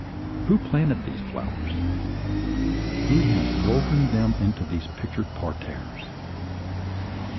Who planted these flowers? Who hath woven them into these pictured parterres?